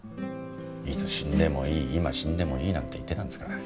いつ死んでもいい今死んでもいいなんて言ってたんですから。